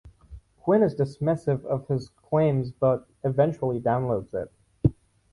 Quinn is dismissive of his claims but eventually downloads it.